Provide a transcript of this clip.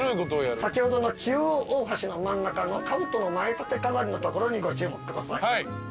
先ほどの中央大橋の真ん中のかぶとの前立て飾りのところにご注目ください。